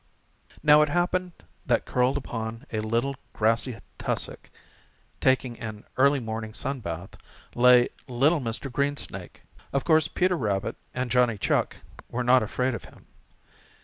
Now it happened that curled up on a little grassy tussock, taking an early morning sun bath, lay little Mr. Greensnake. Of course Peter Rabbit and Johnny Chuck were not afraid of him.